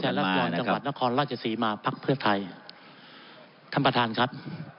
รัฐกรจังหวัดนครราชศรีมาพักเพื่อไทยท่านประธานครับ